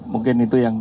mungkin itu yang